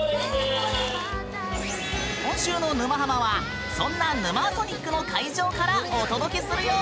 今週の「沼ハマ」はそんな「ヌマーソニック」の会場からお届けするよ！